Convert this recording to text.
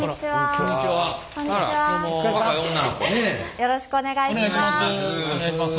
よろしくお願いします。